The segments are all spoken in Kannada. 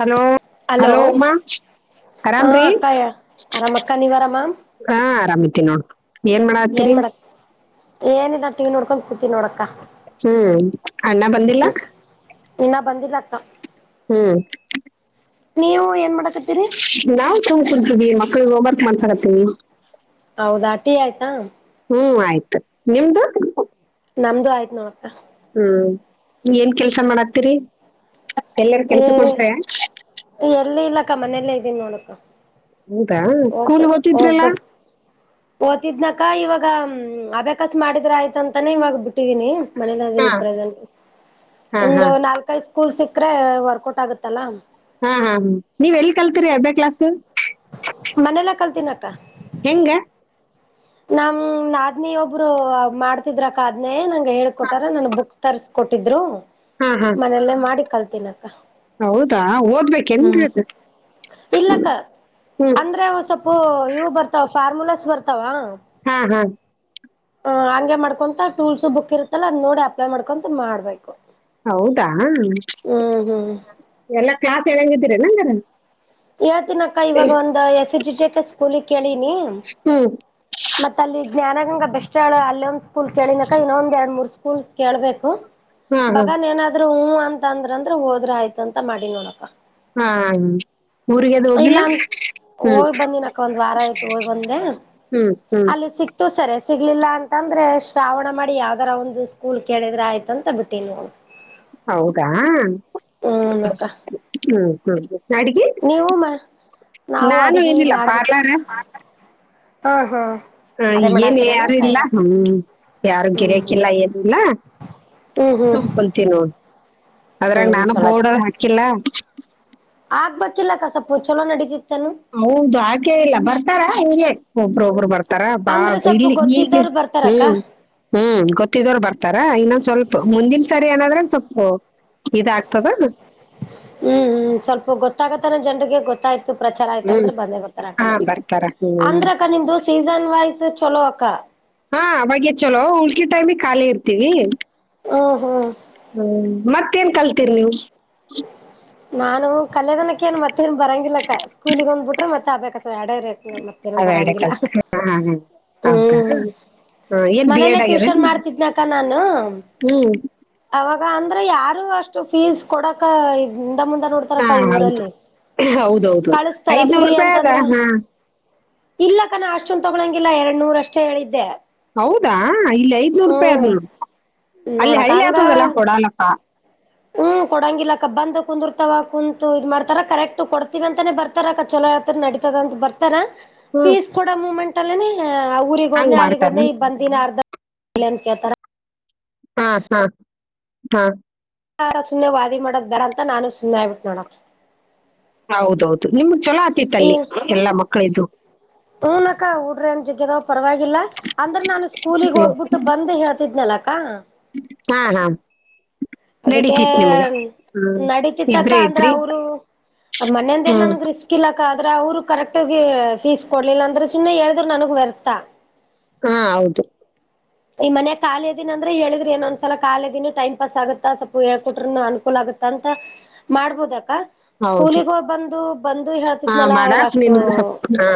ಹಲೋ ಹಲೋ ಉಮಾ ಹಾ ಆರಾಮ್ರಿ ಅಕ್ಕಾ ಅರಾಮ ಅಕ್ಕಾ ನೀವರಾಮಾಮ್ ಹಾ ಆರಾಮತಿ ನೋಡ್ ಏನ್ ಮಾಡ ಆತರಿ ಏನ ಇದ ಟಿ ನೋಡ್ಕೊಂಡ್ ಕೂತವಿ ನೋಡಕ್ಕ ಹ್ಮ್ ಅಣ್ಣ ಬಂದಿಲ್ಲ. ಹ್ಮ್ ಇನ್ನ ಬಂದಿಲ್ಲಕ್ಕ. ಹ್ಮ್. ನೀವು ಏನ್ ಮಾಡ ನಾವವು ಸುಮ್ಮ ಕುಂತೀವಿ ಮಕ್ಳಗ್ ಹೋಂವರ್ಕ್ ಮಾಡಸ್ತೀವಿ ಹೌದ ಟಿ ಆಯ್ತಾ ಹ್ಮ್ ಆಯ್ತು ನಿಮ್ದು. ನಮ್ದು ಆಯ್ತ್ ನೋಡ ಅಕ್ಕ. ಹ್ಮ್ ಏನ್ ಕೆಲ್ಸ ಮಾಡತ್ತೀರಿ. ಎಲ್ಲರೆ ಏ ಕೆಲ್ಸ ಕೊಟ್ರೆ. ಅಕ್ಕ ಮನೆಯಲ್ಲ ಇದೀನಿ ನೋಡಕ್ಕ ಹೌದಾ ಹೋಗಬ ಸ್ಕೂಲ್ ಹೋಗಬ ಓದ್ತಿದ್ರಲ್ಲ ಓದ್ತಿದ್ನಕ ಇವಾಗ ಅಬ್ಯಾಕಾಸ ಮಾಡಿದ್ರ ಆಯ್ತ ಅಂತಾನೇ ಇವಾಗ ಬಿಟ್ಟಿದೀನಿ. ಹಾ ಮನೇಲ್ದೀನಿ ಪ್ರೆಸೆಂಟ್ ಹಾ ಹಾ ಒಂದು ನಾಲ್ಕೈದು ಸ್ಕೂಲ್ ಸಿಕ್ಕ್ರೆ ವರ್ಕೌಟ್ ಆಗುತ್ತಲ್ಲಾ. ಹಾ ಹಾ ಹ ನೀವ್ ಎಲ್ಲಿ ಕಲ್ತೀರಿ ಅಬ್ಬೆ ಕ್ಲಾಸ್. ಮನೇಲೆ ಕಲ್ತೀನ ಅಕ್ಕ. ಹೆಂಗ. ನಮ ನಾಧ್ನಿ ಒಬ್ರು ಮಾಡ್ತಿದ್ರಕ ಆದ್ನೇ ನಂಗೆ ಹೇಳ್ಕೊಟಾರ ನನ್ ಬುಕ್ ತರ್ಸ್ಕೊಟ್ಟಿದ್ರು ಹಾ ಹಾ ಮನೆಯಲ್ಲೇ ಮಾಡಿ ಕಲ್ತನಕ್ಕ. ಹೌದಾ ಹಓದ್ಬೇಕ ಏನ್ರಿ ಅದು. ಇಲ್ಲಕ್ಕ ಹ್ಮ್ ಅಂದ್ರೆ ಒ ಸೊಪ್ಪು ಇವು ಬರ್ತಾವ ಫಾರ್ಮುಲಾಸ್ ಬರ್ತಾವ. ಹಾ, ಹ ಹಂಗೆ ಮಾಡ್ಕೊಂತ ಟೂಲ್ಸ್ ಬುಕ್ ಇರುತ್ತಲ್ಲ ಅದ್ ನೋಡಿ ಅಪ್ಲೈ ಮಾಡ್ಕೊಂತ ಮಾಡ್ಬೇಕು. ಹೌದಾ ಹ್ಮ್ ಹ್ಮ್ ಎಲ್ಲಾ ಕ್ಲಾಸ ಹೇಳಂಗಿದೀರಲ್ಲಂಗರ. ಹೇಳ್ತೀನ ಅಕ್ಕ ಇವಾಗ ಒಂದ್ S S G J K ಸ್ಕೂಲಿಗೆ ಕೇಳಿನಿ. ಹ್ಮ್ ಮತ್ತ ಅಲ್ಲಿ ಜ್ಞಾನ ಗಂಗ ಬೆಸ್ಟ್ ಹೇಳ ಅಲ್ಲೊಂದ್ ಸ್ಕೂಲ್ ಕೇಳಿನಕ. ಇನ್ನೊಂದ್ ಎರಡ್ ಮೂರ್ ಸ್ಕೂಲ್ ಕೇಳ್ಬೇಕು. ಹಾ ಹಾ ಬಗನ್ ಏನಾದ್ರೂ ಹೂ ಅಂತ ಅಂದ್ರ ಅಂದ್ರ ಹೋದ್ರ ಆಯ್ತಂತ ಮಾಡಿನಿ ನೋಡಕ. ಹಾ, ಊರಿಗೆ ಅದು ಇಲ್ಲ ಹೋಗಿಲ್ಲ ಅಂತ ಹ್ಮ್ ಹೋಗ್ ಬಂದಿನಕ್ಕ ಒಂದ್ ವಾರ ಆಯ್ತು ಹೋಗ್ ಬಂದೆ ಹ್ಮ್. ಅಲ್ಲಿ ಸಿ ಸಿಕ್ತು ಸರಿ ಸಿಗ್ಲಿಲ್ಲ ಅಂತಂದ್ರೆ ಶ್ರಾವಣ ಮಾಡಿ ಯಾವ್ದಾರ ಒಂದು ಸ್ಕೂಲ್ ಕೇಳಿದ್ರೆ ಆಯ್ತು ಅಂತ ಬಿಟ್ಟಿನಿ ನೋಡ. ಹೌದಾ. ಅಕ್ಕ ಹ್ಮ ಹ್ಮ್ ಅಡಿಗಿ. ನೀವು ಮ ನಾವು ನಾನು ಅಡಿಗೆ ಏನಿಲ್ಲ ಮಾಡ್ಬೇಕ ಪಾರ್ಲಾರ, ಹಾ ಹಾ. ಹ ಅದೇ ಏನ್ ಮಾಡಾತೀರನ ಯಾರು ಕೈ ಇಲ್ಲ ಹ್ಮ ಯಾರು ಹ್ಮ್ ಗಿರ್ಯಕಿಲ್ಲ ಏನಿಲ್ಲ. ಹ್ಮ್ ಹ್ಮ್ ಹ್ಮ್ ಸುಮ ಕುಂತೀನಿ ನೋಡ್ ಅದ್ರಾಗ ಹ್ಮ್ ನಾನು ಬೋರ್ಡದ ಹಾಕಿಲ್ಲ. ಆಗ್ಬೇಕಿಲ್ಲ ಕಸಪ್ಪು ಚಲೋ ನಡೀತಿಯತಿ. ಹೌದು ಹಾಕೆ ಇಲ್ಲ ಬರ್ತಾರ ಹಗೆ ಒಬ್ರ ಒಬ್ರು ಬರ್ತಾರೆ. ತರಾ ಅಂದ್ರೆ ಬಾ ಸ್ವಲ್ಪ ಇಲ್ಲಿ ಈಗ ಗೊತ್ತಿದ್ದವ್ರು ಬರ್ತಾರಕ್ಕ ಹ್ಮ್. ಹ್ಮ್ ಗೊತ್ತಿದವರು ಬರ್ತಾರ. ಇನ್ನೊಂದ್ ಸ್ವಲ್ಪ ಮುಂದನ್ ಸರಿ ಏನಾದ್ರೆ ಸ್ವಲ್ಪ. ಇದಾಗ್ತದ ಹ್ಮ್ ಹ್ಮ್ ಸ್ವಲ್ಪ ಗೊತ್ತಾಗತ್ತಾನ ಜನರಿಗೆ ಗೊತ್ತಾಯ್ತ ಪ್ರಚಾರ ಆಯ್ತ ಹ್ಮ್ ಅಂದ್ರೆ ಬಂದೇ ಬರ್ತಾರೆ ಹಾ ಆಟೋಮೆಟಿಕ್ ಬರ್ತಾರ ಹ್ಮ್ ಅಂದ್ರಕ ನಿ ದೋಸ ಸೀಸನ್ ವೈಸ್ ಚೊಲೋ ಅಕ್ಕಾ. ಹಾ ಅವಾಗೆ ಚಲೋ ಉಳ್ಕಿ ಟೈಮಿ ಖಾಲಿ ಇರ್ತೀವಿ. ಹ್ಮ್ ಹ್ಮ್ ಹ್ಮ ಮತ್ತೇನ್ ಕಲ್ತೀರಿ ನೀವು. ನಾನು ಕಲ್ಯದನಕ್ಕೆ ಏ ಮತ್ತೇಏನ್ ಬರಂಗಿಲ್ಲಕ್ಕ ಸ್ಕೂಲಗ್ ಒಂದ್ಬಿಟ್ರೆ ಮತ್ತೆ ಅಬ್ಬೆ ಕಸ, ಎಡ ಮತ್ತೇನು ಅವೆರಡೆ ಬರಂಗಿಲ್ಲ ಕಲ್ತ್ ಹಾ, ಹಾ, ಹಾ. ಹೌದಾ ಹ್ಮ್. ಹಾ, ಏನ್ ಬಿ ಮನೇಲ್ಲೇ ಎಡ್ ಆಗ್ಯದ ಟ್ಯೂಷನ್ ಹ್ಮ್ ಮಾಡ್ತಿದ್ನಕ ನಾನು. ಆಗ ಅಂದ್ರೆ ಯಾರು ಅಷ್ಟು ಫೀಸ್ ಕೊಡಕ ಮುಂದ ನೋಡ್ತಾರ ಹಾ ಕೈ ಹೌದ್- ಊರಲ್ಲಿ ಹೌದೌದು ಕಳಸ್ತಾರ ಐದ್ನೂರ್ ಫ್ರೀ ರೂಪಾಯಿ ಅದ ಅಂತಂದ್ರ. ಹಾ ಇಲ್ಲ ಕನ ಅಷ್ಟೊಂದು ತೊಗೊಳಂಗಿಲ್ಲ ಎರಡ್ ನೂರ ಅಷ್ಟೇ ಹೇಳಿದ್ದೆ ಹೌದಾ ಇಲ್ಲಿ ಐದ್ನೂರು ರೂಪಾಯಿ ಹ್ಮ್ ಆದದ ಅಲ್ಲಿ ಹಳ್ಳಿ ಆಗ್ತದಲ್ಲಾ ಕೊಡಾಲಪ್ಪ ಹ್ಮ ಕೊಡಂಗಿಲ್ಲ ಕ ಬಂದ ಕುಂದಿರ್ತ ಕುಂತು ಇದ್ ಮಾಡ್ತಾರ ಕರೆಕ್ಟ್ ಕೊಡ್ತೀವಿ ಅಂತಾನೇ ಬರ್ತಾರ ಅಕ್ಕ ಚೋ ಯಾತ್ ನ ಇಂತ ಬ ಹ್ಮ್ ಫೀಸ್ ಕೊಡ ಮೂಮೆಂಟ್ ಅಲ್ಲೇ ಹಂಗ್ ಊಗೊಂದೆ ಮಾಡ್ತಾರ ಅಲ್ಲಿಗೊಂದ್ನೆ ಇ ಬಂದಿನಿ ಅರ್ಧ ಇಂಗ್ಲಂಡ ಕ ಅ ತರ ಹಾ ಹ ಹ ಹಾರ ಸುಮ್ಮ್ನೆ ವಾದಿ ಮಾಡೋದ್ ಬರ ಅಂತ ನಾನು ಸುಮ್ಮನೆ ಆಯ್ಬಿಟ್ ನೋಡ ಹೌದೌದು ನಿಮ್ ಚಛಲೋ ಆತಿತ್ತಲ್ಲಿ ಎಲ್ಲಾ ಮಕ್ಕಳಿದ್ದು ಹನಕ್ಕ ಊಡ್ರೇಏನ್ ಜಗ್ಗ್ಯದಾವ್ ಪರವಾಗಿಲ್ಲ ಅಂದ್ರ ನಾನು ಸ್ಕೂಲಗ್ ಹ್ಮ್. ಹೋಗ್ಬಿಟ್ಟು ಬಂದ ಹೇಳ್ತ ಇದಿದ್ನಲಕ್ಕ ಹಾ ಹ ಅದಕ್ಕೆ ನಡೀತಿ ತಕ್ಕ ಇಬ್ರೇ ಅಂದ್ರ ಇದ್ರಿ ಅವರು ಆ ಮನೆಯಂದ ನ್ ಹ್ಮ್ ನನ್ಗ್ ರಿಸ್ಕ್ ಇಲ್ಲ ಆದ್ರ ಅವರು ಕರೆಕ್ಟ್ಗ ಫೀಸ್ ಕೊಡ್ಲಿಲ್ಲ ಅಂದ್ರೆ ಸುಮ್ಮನೆ ಹೇಳಿದ್ರರು ನನಗ್ ವ್ಯರ್ಥ ಹಾ ಹೌದು ಈ ಮನಯ ಖಾಲ ದಿನ ಅಂದ್ರೆ ಹೇಳಿದ್ರ ಏನೊಂದ್ಸಲ ದಿನ ಟೈ ಪಾಸ್ ಆಗುತ್ತ ಸ್ಲ್ಪ ಹೇಕಟ್ರರುನು ಅನುಕೂಲ ಆಗುತ್ತ ತಂತ ಮಾಡ್ಬೋದ ಹೌದು ಸ್ಕೂಲಿಗ ಹೋಗ ಬಂದು ಬಂದು ಹಾ ಹೇಳ್ತಿದ್ನಲ್ಲ ಅವ್ರ ಮಾಡಾಕ್ ಅಷ್ಟು ನಿನ್ಗೂ ಸ್ವಲ್ಪ ಹಾ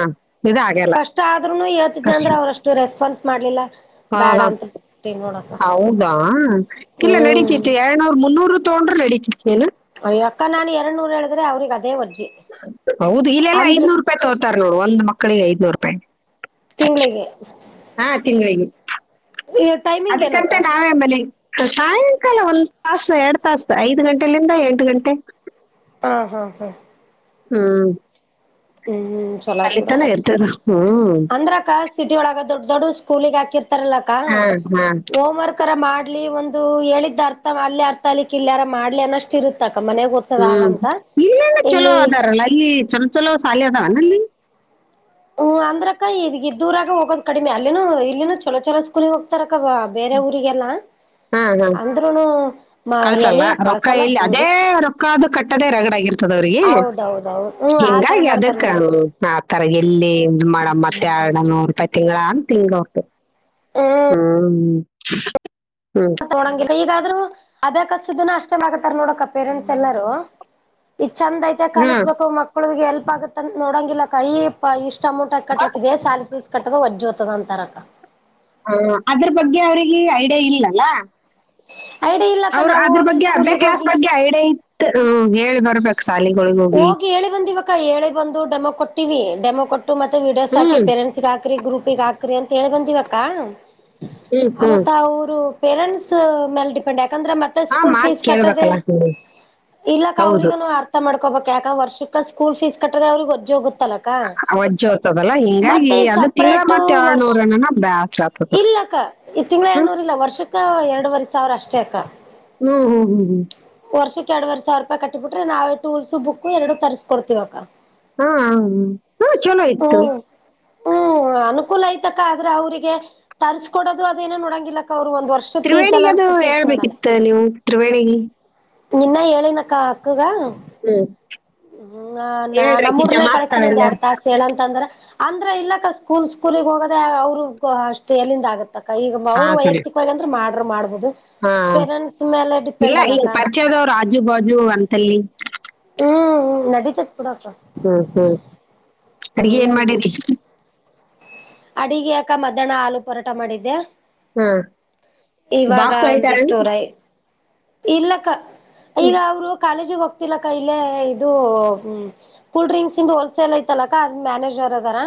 ಇದಾಗಲ್ಲ ಕಷ್ಟ ಆದ್ರೂನು ಹೇಳ್ತಿದ್ನ ಕಷ್ಟ ಅಂದ್ರೆ ಅವ್ರಷ್ಟು ರೆಸ್ಪಾನ್ಸ್ ಮಾಡ್ಲಿಲ್ಲ ಹಾ ಬೇಡ ಹಾ ಅಂತ ಬಿಟ್ಟೆ ನೋಡಕ್ಕ ಹೌದಾ ಇಲ್ಲ ಹ್ಮ್ ನಡೀತಿತ್ತು ಎರಳ್ನೂರು ಮುನ್ನೂರು ತಗೊಂಡ್ರ ರೆಡಿ ಕಿತೇನೆ ಅಯ್ಯಕ್ಕ ನಾನ್ ಎರಡ್ ನೂರ್ ಹೇಳಿದ್ರೆ ಅವ್ರಿಗೆ ಅದೇ ಒದ್ದ ಹೌದು ಇಲ್ಲೆಲ್ಲಾ ಐ್ನೂರು ರೂಪಾಯಿ ತಗೋತಾರೆ ನೋಡು ಒಂದ್ ಮಕ್ಕಳಿಗೆ ಐ್ನೂರು ರೂಪಾಯಿ ತಿಂಗಳಿಗೆ ಹಾ ತಿಂಗಳಿಗೆ ಎ ಅದಕ್ಕಂತ ನಾ ಏನ್ ಮಾಡ್ಲಿ ಸಾಯಂಕಾಲ ಒಂದ್ ತಾಸು ಎರಡ್ ತಾಸ ಐದ್ ಗಂಟೆಲಿಂದ ಎಂಟು ಗಂಟೆ ಹಾ ಹಾ ಹಾ ಹಾ ಹ್ಮ್ ಚಲೋ ಆಗ್ ಬಿಡಕ್ಕ ಹ್ಮ್ ಅಂದ್ರಕ್ಕ ಸಿಟಿ ಒಳಗ ದೊಡ್ಡ ದೊಡ್ ಸೊ ಸ್ಕೂಲಿಗೆ ಹಾಕಿರ್ತಾರಲ್ಲಕ್ಕ ಹಾ ಹಾ ಹೋಮ್ ವರ್ಕ್ರ ಮಾಡ್ಲಿ ಒಂದು ಅದು ಹೇಳಿದ್ದ ಅರ್ಥ ಮಾಡ್ಲಿ ಅರ್ಥ ಅಲಿಕ್ಕೆ ಇಲ್ಲಯಾರ ಮಾಡ್ಲಿ ಅನ್ನಷ್ಟ ಇರುತ್ತ ಹ್ಮ್ ಇಲ್ಲೇನ ಇಲ್ಲಿ ಚಲೋ ಅದಾರಲ್ಲ ಇಲ್ಲಿ ಚಲೋ ಚಲೋ ಸಾಲಿ ಅದಾವ ನಲ್ಲಿ ಹ್ಮ್ ಅಂದ್ರಕ್ಕ ಇದಗ್ದೂರಾಗ ಹೋಗೋದ್ ಕಡಿಮೆ ಅಲ್ಲಿನನು ಇಲ್ಲಿನು ಚಲೋ ಚಲೋ ಸ್ಕೂಲಿಗೆ ಹೋಗ್ತಾರಕ್ಕ ಬೇರೆ ಬೇರೆ ಊರಿಗೆಲ್ಲ ಹಾ ಹಾ ಅಂದ್ರೂನು ಮ ಎಲ್ಲಿ ಕಳಸಲ್ಲ ಊರ್ ಅಕ್ಕ ಅದು ಕಟ್ಟದೆ ರರಗಡ ಆಗರ್ತದ ಅವ್ರಿಗೆ ಹೌದೌದೌದು ಹ್ಮ್ ಆತರ ಹಿಂಗಾಗಿ ಮಾಡ್ತಾರ ಅದಕ್ಕ ನೋಡಕ ಆ ಆ ತರಗ ಎಲ್ಲಿ ಮ ಮತ್ತೆ ಎರಡ ನೂರು ರೂಪಾಯಿ ತಿಂಗಳ ತಿಂಗಳು ಹ್ಮ್ ಹ್ಮ ಹ್ಮ ಈಗಾದ್ರೂ ಅದೆ ಅಷ್ಟ ಆಗತ್ತಾರ ನೋಡಕ ಪೇರೆಂಟ್ಸ್ ಎಲ್ಲಾರೂ ಈ ಚಂದ ಐತೆ ಹಾ ಕಲಸ್ಬೇಕು ಮಕ್ಳು ಮಕ್ಕಳ ಎಲ್ಪ್ ಆಗುತ್ತ ನೋಡಂಗಿಲ್ಲ ಇಷ್ಟ್ ಅಮೌಂಟ್ ಹಾಕಿ ಕಟ್ಬೇಕು ಸ್ಯಾಲರಿ ಕಟ್ಟದ ಒಜ್ಜೋತದ ಅಂತಾರಕ್ಕ ಹ ಅದ್ರ ಬಗ್ಗೆ ಅವ್ರಿಗೆ ಐಡಿಯಾ ಇಲ್ಲಲ್ಲ ಐಡಿ ಇಲ್ಲಕ್ಕ ಅವ್ರ ನಾವು ಅದ್ರ ಹೋಗಿ ಬಗ್ಗೆ ಹಬ್ಬೆ ಸ್ಕೂಲಿಗೆ ಕ್ಲಾಸ್ ಹೋಗಿ ಬಗ್ಗೆ ಐಡಿಯ ಇತ್ತು ಹೇಳಿ ಬರ್ಬೇಕು ಶಾಲಿಗಳಿಗೆ ಹೋಗಿ ಹೇಳಿ ಬಂದಿವಕ್ಕ ಹೇಳಿ ಬಂದು ಡೆಮೊ ಕೊಟ್ಟಿವವಿ ಡೆಮೊ ಮತ್ತೆ ವೀಡಿಯೋಸ್ ಹ್ಮ್ ಹಾಕಿ ಪೇರೆಂಟ್ಸ್ಗ ಹಾಕ್ರಿ ಗ್ರೂಪಗ್ ಹಾಕ್ರರಿ ಅಂತ ಹೇಳಿ ಬಂದಿವಾ ಅಕ್ಕ ಹ್ಮ್ ಹ್ಮ್ ಮತ್ತ ಅವರು ಪೇರೆಂಟ್ಸ್ ಮೇಲೆ ಡಿಪೆಂಡ್ ಆ ಯಾಕಂದ್ರೆ ಮತ್ತೆ ಆ ಸ್ಕೂಲ್ ಮಾತ್ ಫೀಸ್ ಕಟ್ಟದೆ ಕೇಳ್ಬೇಕಲ್ಲ ಹ್ಮ್ ಇಲ್ಲ ಹೌದು ಅವ್ರಗನು ಅರ್ಥ ಮಾಡ್ಕೋಬೇಕ ಯಾಕ ವರ್ಷಕ್ಕ ಸ್ಕೂಲ್ ಫೀಸ್ ಕಟ್ಟ್ರ ಅವ್ರಿಗೆ ಹೊಜ ಹೋಗುತ್ತಲ್ಲ ವಜ್ಜೆ ಹೋಗ್ತದಲ್ಲ ಹಿಂಗಾಗಿ ಮತ್ತೆ ಅದು ತಿಂಗಳ ಸಪ್ರೇಟ್ ಮತ್ತೆ ಎರಡ್ ವರ್ಷ ನೂರ ಬ್ಯಾಸ್ರ ಆಗ್ತದ ಇಲ್ಲಕ್ಕ ಈ ತಿಂಗಳ ಹ್ಮ್ ಏನೂರ್ಲ್ಲ ವರ್ಷಕ್ಕ ಎರಡುವರೆ ಸಾವಿರ ಅಷ್ಟೇ ಅಕ್ಕ ಹ್ಮ್ ಹ್ಮ್ ಹ್ಮ್ ಹ್ಮ್ ವರ್ಷಕ್ಕೆ ಎರಡುವರೆ ಸಾವಿರ ರೂಪಾಯ ಕಟ್ಟಿಬ ಬಿಟ್ರೆ ನಾವೇ ಟೂಲ್ಸ್ ಬುಕ್ ಎರಡು ತರಿಸ್ಕೊತಿವಾಕ್ಕ ಹಾ ಹ ಹಾ ಚಲೋ ಇತ್ತು ಹ್ಮ್ ಹ್ಮ್ ಅನುಕೂಲ ಐ್ತಕ್ಕ ಆದ್ರೆ ಅವ್ರಿಗೆ ತರ್ಸ್ಕೊಡೋದು ಅದೇನ ನೋಡಂಗಿಲ್ಲಕ್ಕ ಅವರು ಒಂದ್ ವರ್ಷದ ಫೀಸ್ ಎಲ್ಲ ತ್ರಿವೇಣಿಗೆ ಅದು ಅಂತ ತಿಂಕ್ ಮಾಡಲ್ಲ ಹೇಳ್ಬೇಕಿತ್ತು ನೀವು ತ್ರಿವೇಣಿಗೆ ನಿನ್ನ ಹೇಳಿನಕ್ಕ ಅಕ್ಕಗ ಹ್ ಹ್ಮ್ ನ ಹೇಳ್ರಿ ಅಕ್ಕಿ ನಮ್ಮುಡ್ರು ನೆ ಜಮಾಸ್ತಾರ ಕಳಸ್ತೀನ ಒಂದ್ ಎಲ್ಲಾರು ಎರಡ್ ತಾಸ ಹೇಳಂತಂದ್ರ ಅಂದ್ರ ಇಲ್ಲಕ್ಕ ಸ್ಕೂಲ್ ಸ್ಕೂಲ್ಗ್ ಹೋಗದ ಅವ್ರರು ಅಷ್ಟು ಎಲ್ಲಿಂದ ಆಗತ್ತೆ ಅ ಈಗ ಹಾ ಅವ್ರು ಕಣೆ ವೈಯಕ್ತಿಕವಾಗಿ ಅಂದ್ರ ಮಾಡ್ರ ಮಾಡ್ಬಹು ಹಾ ಇಲ್ಲ ಈ ಅಲ್ಲಕ್ಕ ಪರ್ಚದವ್ರು ರಾಜು ಬು ಜ ಅಂತಲ್ಲಿ ನಡೀತೈತಿ ಹ್ಮ್ ಹ್ಮ್ ಅಡ್ಗಿ ಏನ್ ಹ್ಮ್ ಮಾಡರಿ ಅಡಿಗೆ ಯಕ ಮಧ್ಯಾಹ್ನ ಹಾಲು ಪೋರಾಟ ಮಾಡಿದ್ದೆ ಹಾ ಇವಾಗ ಬಾಕ್ಸ್ ಒಂದಿಷ್ಟೋ ಒಯ್ತಾರೇನು ರೈ ಇರ್ಲಕ್ಕ ಈಗ ಹ್ಮ್ ಅವರು ಕಾಲೇಜಿಗೆ ಹೋಗ ಗೊತ್ತಿಲಕ್ಕ ಇಲ್ಲೇ ಇದು ಕೂಲ್ ಡ್ರಿಂಕ್ಸ್ ಇ ಹೋಲ್ಸೇಲ್ ಐತಲಕ್ಕ ಮ್ಯಾನೇಜರ್ ಅದಾರ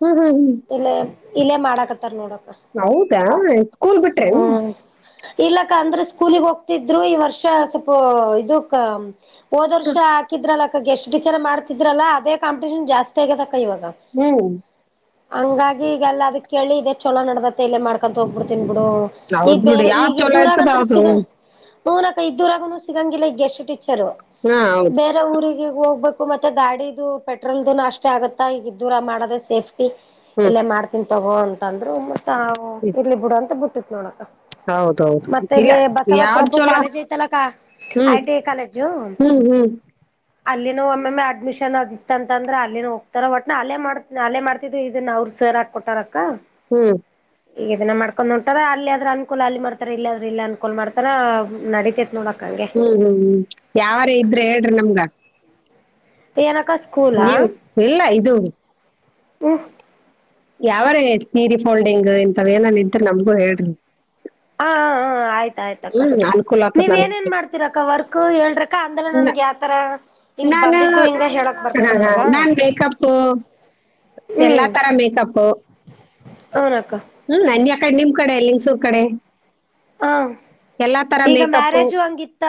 ಹ್ಮ ಹಾ ಹ್ಮ ಇಲ್ಲೇ ಇಲ್ಲೇ ಮಾಡಾಕತ್ತಾರ ನೋಡ ಹೌದಾ ಸ್ಕೂಲ್ ಬಿಟ್ರೆನು ಹ್ಮ್ ಇಲ್ಲಕ್ಕ ಅಂದ್ರೆ ಸ್ಕೂಲಗ್ ಹೋಗ್ತಿದ್ರು ಈ ವರ್ಷ ಸ್ವಲ್ಪ ಇದಕ್ಕ ಹೋದ ವರ್ಷ ಹಾಕಿದ್ರಲ್ಲ ಅಕ್ಕ ಸ್ಟ್ ಟೀಚರ್ ಮಾಡ್ತಿದ್ರಲ್ಲ ಅದೇ ಕಂಪಿಟೇಷನ್ ಜಾಸ್ತಿ ಆಗದಕ್ಕ ಯಾವಾಗ ಹ್ಮ್ ಹಂಗಾಗಿ ಈಗಲ್ಲ ಅದ ಕೇಳಿ ಇದೆ ಚೊಲೋ ನಡದತ್ತ ಇಲ್ಲೇ ಮಾಡ್ಕೊಂತ ಹೋಗ್ಬಿಡ್ತೀನಿ ಹಡು ಈ ಹೌದ್ ಬಿಡು ಬೇರೆ ಯಾವ್ದ್ ಈಗ ಚಲೋ ಇರ್ತದ ದೂರಗಂತ ಹೌದು ಸಿಗ ಹನಕ್ಕ ಇದ್ದೂರಾಗನು ಸಿಗಂಗಿಲ್ಲ ಈಗ್ ಎಷ್ಟು ಟೀಚರು ಹಾ ಹೌದು ಬೇರೆ ಊರಿಗೆ ಹೋಗ್ಬೇಕು ಮತ್ತೆ ಗಾಡಿದು ಪೆಟ್ರೋಲ್ದು ಅಷ್ಟೇ ಆಗತ್ತಾ ಈಗ ದೂರ ಮಾಡದ ಸೇಫ್ಟಿ ಹ್ಮ್ ಇಲ್ಲೇ ಮಾಡ್ತನ್ ತಗೋ ಅಂತ ಅಂದ್ರು ಮತ್ತ ಹ್ಮ್ ಇರ್ಲಿ ಬಿಡು ಅಂತ ಬಿಟ್ಟಿತ್ ನೋಡಕ ಹೌದ್ ಹೌದ್ ಮತ್ತೆ ಇಲ್ಲ ಇಲ್ಲಿ ಯಾವ್ದ್ ಬಸವಪ್ರಭು ಚಲೋ ಕಾಲೇಜ್ ಐತಲಕ್ಕ ಹ್ಮ್ ಐ ಟಿ ಐ ಕಾಲೇಜು ಹ್ಮ್ ಹ್ಮ್ ಅಲ್ಲಿನೋ ಒಮ್ಮಮ್ಮ ಅಡ್ಮಿಷನ್ ಅದಿತ್ತ ಅಂದ್ರೆ ಅಲ್ಲಿನ ಹೋಗ್ತಾರ ಒಟ್ನ ಅಲ್ಲೇ ಮಾಡ್ ಅಲ್ಲೇ ಮಾಡ್ತ ಇದನ್ನ ಅವ್ರರು ಸರ್ ಹಾಕ ಕೊಟ್ಟಾರಕ್ಕ ಹ್ಮ್ ಈಗ ಇದನ್ನ ಮಾಡ್ಕೊಂಡ್ ಹೊಂಟಾರ ಅಲ್ಲಿ ಅ ಆದ್ರ ಅನ್ಕೂಲ್ ಅಲ್ಲಿ ಮಾಡ್ತಾರ ಇಲ್ಲಿ ಆದ್ರರು ಇಲ್ಲಿ ಅನ್ಕೂಲ್ ಮಾಡ್ತಾರ ನಡಿತೈತ್ ನೋಡಕ ಹ್ಮ್ ಹ್ಮ್ ಹ್ಮ್ ಯಾವಾರ ಇದ್ರೆ ಹೇಳ್ರಿ ನಮ್ಗ ಕಸ ನೀವು ಇಲ್ಲ ಇದು ಒ ಯಾವಾರ ನೀರಿ ಫೋಲ್ಡಿಂಗ್ ಇಂತ ಏನ ನಿದ್ರೆ ನಮ್ಗೂ ಹೇಳ್ರಿ ಹ ಹ ಆಯ್ತು ಆಯ್ತಕ್ಕ ಹ್ಮ್ ಅನುಕೂಲ ನೀವ್ ಆಗ್ತದ ಏನೇನ್ ಮಾಡ್ತಿೀರಕ್ಕ ವರ್ಕ್ ಹೇಳ್ರಕ್ಕ ಅಂದಲ ನನ್ಗೆ ಯಾವತರ ನಾನು ಬಂದಿದ್ದು ಹಿಂಗ ಹೇಳಕ್ ಹ ಬರ್ತದ ಹಾ ನನಗ ನಾನ್ ಮೇಕಪ್ ಎಲ್ಲಾ ಹ್ಮ್ ತರ ಮೇಕಪ್ ಹನಕ್ಕ ಹ್ಮ್ ನನ್ ಕಡೆ ನಿಮ್ ಕಡೆ ಲಂಗ್ಸೂರ್ ಕಡೆ ಹಾ ಎಲ್ಲಾ ತರ ಮೇಕಪ್ಪು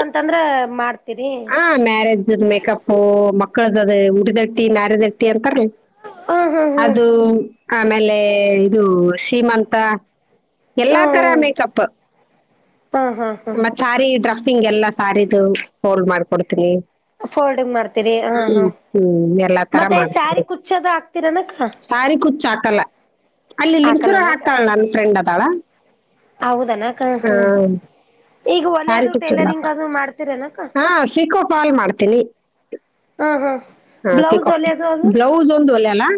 ಅಂತಂದ್ರ ಮಾಡ್ತೀರಿ ಹ ಮ್ಯಾರೇಜ ಮೇಕಪ್ಪು ಮ ಮಕ್ಕಳದದ ಉಡಿದಟ್ಟಿ ನಾರದಟ್ಟಿ ಅಂತಾರರಿ ಹ ಹಾ ಅದು ಹಾ ಆಮೇಲೆ ಇದು ಸೀಮಂತ ಎಲ್ಲ ಹಾ ತರ ಮೇಕಪ್ ಹಾ ಹಾ ಹಾ ಮತ್ತತ್ ಸಾರಿ ಡ್ರಫಿಂಗ್ ಎಲ್ಲಾ ಸಾರದುು ಫೋಲ್ಡ್ ಮಾಡ್ಕೊಡ್ತೀನಿ ಫೋಲ್ಡಿಂಗ್ ಮಾಡ್ತೀರಿ ಹಾ ಹ್ಮ ಹಾ ಹ್ಮ್ ಮೇಲ್ಲ ಮತ್ತೆ ಸ್ಯಾರಿ ಕುಚ್ಚೋದ ಸಾರಿ ಕುಚ್ಚ ಹಾಕಲ್ಲ ಅಲ್ಲಿ ಲಿಂಚುರ ಹಾಕ್ತಾಳ ನನ್ನ ಫ್ರೆಂಡ್ ಅದಾಳ ಹೌದನಾಕಾ ಆ, ಹ್ಮ ಈಗ ಒಲಿಯೋದು ಸಾರಿ ಅದು ಕುಚ್ಚಲ್ಲ ಟೇಲರಿಂಗ್ ಅದು ಮಾಡ್ತೀರನಕ್ಕ ಹಾ ಪಿಕೋ ಫಾಲ್ ಮಾಡ್ತೀನಿ ಹಾ ಹಾ ಹಾ ಸಿಕ್ಕ ಬ್ಲೌಸ್ ಹೊಲಿಯೋದು ಅದು ಬ್ಲೌಸ್ ಒಂದು ಒಲ್ಲ ಅಲ್ಲಾ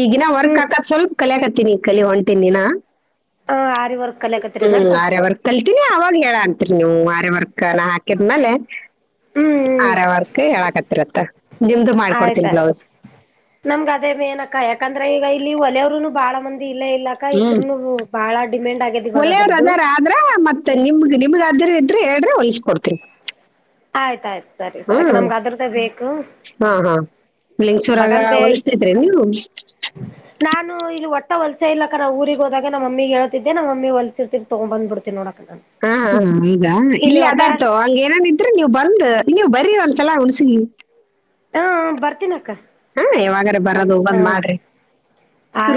ಈಗಿನ ವರ್ಕ್ ಹ್ಮ್ ಹಾಕತ್ ಸ್ವಲ್ಪ ಕಲಿಯಕ ಹತ್ತತಿನಿ ಈ ಕಲಿ ಹೊಣ್ತೀನಿನ ಆರಿ ವರ್ಕ್ ಕಲಿಯಕತ್ತೀರನಕ್ಕ ಹ್ಮ್ ಅರ ಅವರ್ ಕಲ್ತೀನಿ ಅವಾಗ ಹೇಳಣ ಹತ್ರಿ ನೀವು ಆರೆವರ್ಕ್ನ ಹಾಕಿದ್ಮೇಲೆ ಹ್ಮ್ ಹ್ಮ್ ಆರವರ್ಕ್ ಹೇಳಾಕತ್ತರತ್ತ ಆಯ್ತಾಯಯ್ತು ನಮ್ಗ ಅದೇ ಮ ಏನಕ್ಕ ಯಾಕಂದ್ರೆ ಈಗ ಇಲ್ಲಿ ಒಲೆಯವರುನು ಬಾಳ ಮಂದಿ ಇಲ್ಲೇ ಇಲ್ಲಕ್ಕ ಹ್ಮ್ ಇದ್ರುನು ಬಾಳ ಡಿಮ್ಯಾಂಡ್ ಆಗ್ಯದ ಇವಾಗ ಒಲೆಯವರು ಅದ್ರದ್ದು ಅದಾರ ಆದ್ರ ಮತ್ತೆ ನಿಮ್ಗೆ ನಿಮಗ ಅ್ರ ಹೇಳ್ರೆ ಹೊಲ್ಸ್ಕ ಕೊಡ್ತರಿ ಆಯ್ತಾಯ್ತ ಸರಿ ಸರಿ ಅಕ ನಮ್ಗ ಅದ್ರ್ದ ಬೇಕು ಲಂಗಸೂರಾಗ ಬಗನ್ ಬೇಕ್ ಹೋಲಸ್ತತ್ ನೀವು ನಾನು ಇಲ್ಲಿ ಒಟ್ಟ ಹೊಲಸೆ ಇಲ್ಲಕ್ಕ ನಾ ಊರಿಗೆ ಹೋದಾಗ ನಮ್ಮಿಗೆ ಹೇಳ್ತಿದ್ದೆ ನಮ್ಮಿ ಹೊಲಸ ಇರ್ತಿರ್ ತೊೊಂಡೊಂಬ್ಬ ಬಿಡ್ತೀ ನೋಡಕ್ ಹಾ ಹ ಹ ಇಲ್ಲ ಅದ ಒಟ ಅತವ ಹಂಗ ಏನಾದ ಆದ್ರೆ ನೀವು ಬಂದ್ ನೀವು ಬರೀ ಒಂತೆಲ್ಲಾ ಉುಣಸಿ ಹಾ ಬರ್ತೀನ ಅಕ್ಕ ಹಾ ಯಾವಾಗ್ರ ಬರದು ಹೋಗಂದ್ ಮಾಡ್ರಿ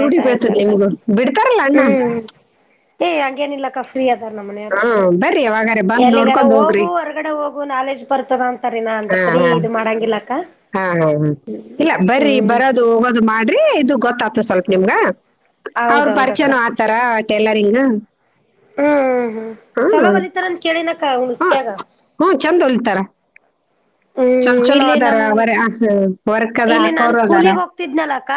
ರೂಢಿ ಪಡ್ತದೆ ಅಕ್ಕ ನಿಮಗು ಬಿಡ್ತಾರಲ್ಲ ಅಣ್ಣ ಹ್ಮ್ ಏ ಹಾ ಬರಿ ಎಲ್ಲಿ [inaudible] ಹಾ ಹಾ ಹಾ ಇಲ್ಲ ಬರ್ರಿ ಹ್ಮ್ ಬರೋದು ಹೋಗೋದು ಮಾಡ್ರಿ ಇದು ಗೊತ್ತಾಗ್ತದೆ ಸ್ವಲ್ಪ ನಿಮ್ಗ ಅವ್ರ ಹೌದೌದಕ್ಕ ಪರಿಚನ ಆತಾರ ಟೇಲರಿಂಗ್ ಹ್ಮ್ ಹ್ಮ್ ಚಲೋ ವಲಿತರನ್ ಕೇಳಿನಕ್ಕ ಹುಣಸ್ಕಾಗ ತರ ಚಲೋ ಚಲೋ ಇಲ್ಲಿ ಅದಾರ ನಮ್ ಅವರ ವರ್ಕ್ದ ಇಲ್ಲಿ ನಾನ್ ಹಾಕೋ್ರ ಅದಾರ ಸ್ಕೂಲಿಗೆ ಹೋಗ್ತಿದ್ನಲಕ್ಕ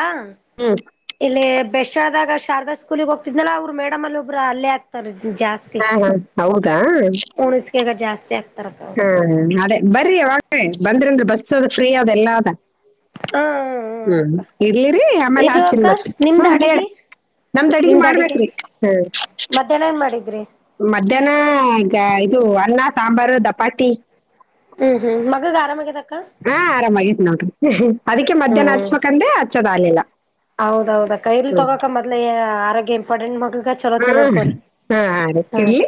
ಹಾ [unintelligible] ಇಲ್ಲಿ ಬೆಸ್ಟ್ ಆಳ್ದಾಗ ಶಾರದಾ ಸ್ಕೂಲ್ಗ್ ಹೋಗ್ತಿದ್ನಲ್ಲ ಅವ್ರ ಮೇಡ್ ಅಲ್ಲಿ ಒಬ್ರು ಅಲ್ಲೇ ಆಗ್ತಾರರ ಜಾಸ್ತಿ ಹಾ ಹಾ ಹೌದಾ ಉಣಿಸಕಗ ಜಾಸ್ತಿ ಆಗ್ ಹಾ ಅದೇ ಬರ್ರಿ ಅವಾಗ ಬಂದ್ರ ಅಂದ್ರ ಬಸ್ ಅದ ಫ್ರೀ ಅದ ಎಲ್ಲಾ ಅದ ಹ ಹ್ಮ್ ಅಕ್ಕ ಇಡ್ಲಿರಿ ಆಮೇಲೆ ಇದು ಹಾತನಿ ಅಕ್ಕ ಮತ್ತೆ ಹ್ಮ ನಿಮ್ದ ಹೇಳ ಅಡಿಗೆ ನಮ್ದು ಅಡಿಗೆ ಮಾಡ್ಬೇಕ್ರಿ ಹ ಮಧ್ಯಾಹ್ನ ಏನ್ ಮಾಡಿದ್ರಿ ಮಧ್ಯಾಹ್ನ ಈಗ ಇದು ಅನ್ನ ಸಾಂಬಾರು ದಪಾತಿ ಹ್ಮ್ ಹ್ಮ್ ಮಗ ಗಾರಾಮಗೆ ತ ಹಾ ಆರಾಮಾಗಿತ್ತು ನೋಡ್ರಿ ಅದಕ್ಕೆ ಮಧ್ಯಾಹ್ನ ಹಚ್ಬೇಕಂದ್ರೆ ಹಚ್ಚೋದ್ ಆಗ್ಲಿಲ್ಲ ಹೌದೌದ್ ಕೈರ್ಲಿ ಹ್ಮ್ ತೊಗೋಕ ಮದ್ಲೇ ಆರೋಗ್ಯ ಇಂಪಾರ್ಟೆಂಟ್ ಮ ಈಗ ಚಲೋತ್ತ ನೋಡ್ಕೋರಿ ಹಾ ಹಾ ರೀ ಹ ಇಡ್ಲಿ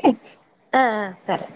ಹ ಸರಿ